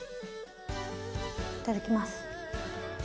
いただきます。